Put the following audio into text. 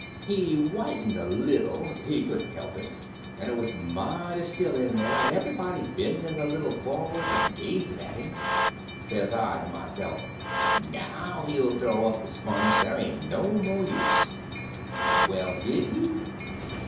He whitened a little; he couldn't help it; and it was mighty still in there, and everybody bending a little forwards and gazing at him. Says I to myself, Now he'll throw up the sponge—there ain't no more use. Well, did he?